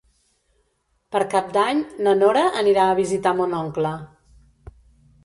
Per Cap d'Any na Nora anirà a visitar mon oncle.